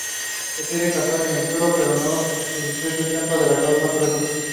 The nearest Copenhagen Metro station is Enghave Plads.